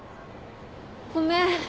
ごめん。